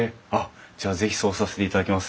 じゃあ是非そうさせていただきます。